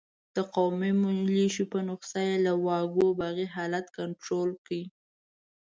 د قومي ملېشو په نسخه یې له واګو باغي حالت کنترول کړ.